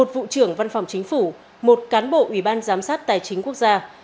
một vụ trưởng văn phòng chính phủ một cán bộ ủy ban giám sát tài chính quốc gia